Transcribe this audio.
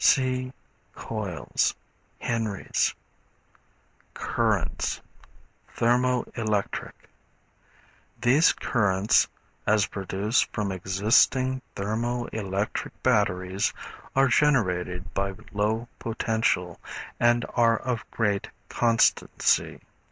(See Coils, Henry's.) Currents, Thermo electric. These currents, as produced from existing thermo electric batteries, are generated by low potential, and are of great constancy.